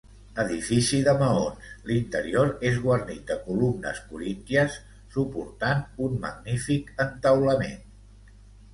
Edifici de maons, l'interior és guarnit de columnes corínties suportant un magnífic entaulament.